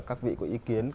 các vị có ý kiến